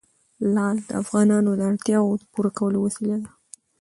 لعل د افغانانو د اړتیاوو د پوره کولو وسیله ده.